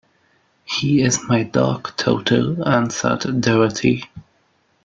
"He is my dog, Toto," answered Dorothy.